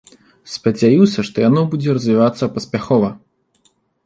Спадзяюся, што яно будзе развівацца паспяхова.